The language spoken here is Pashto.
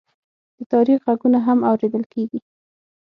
د تاریخ غږونه هم اورېدل کېږي.